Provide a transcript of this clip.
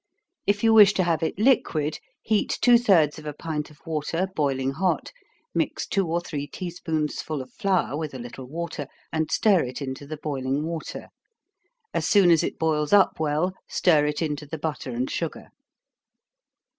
If you wish to have it liquid, heat two thirds of a pint of water boiling hot, mix two or three tea spoonsful of flour with a little water, and stir it into the boiling water. As soon as its boils up well, stir it into the butter and sugar.